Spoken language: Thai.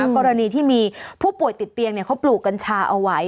กรณีที่มีผู้ป่วยติดเตียงเขาปลูกกัญชาเอาไว้